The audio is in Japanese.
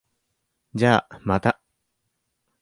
じゃあ、また。